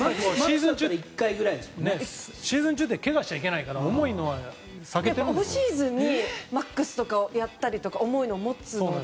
シーズン中ってけがしちゃいけないからオフシーズンとかにマックスとかをやったり重いのを持つので。